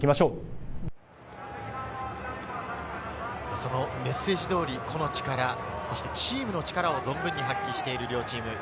そのメッセージ通り、個の力、チームの力を存分に発揮している両チーム。